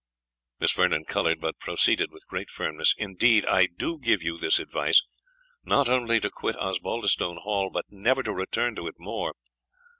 Miss Vernon coloured, but proceeded with great firmness "Indeed, I do give you this advice not only to quit Osbaldistone Hall, but never to return to it more.